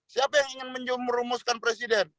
siapa yang ingin merumuskan presiden